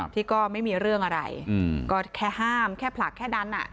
ที่ก็ไม่มีเรื่องอะไรก็แค่ห้ามแค่ผลักแค่นั้น